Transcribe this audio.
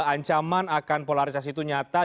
ancaman akan polarisasi itu nyata